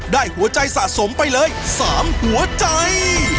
หัวใจสะสมไปเลย๓หัวใจ